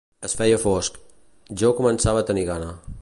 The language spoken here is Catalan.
Es feia fosc; jo començava a tenir gana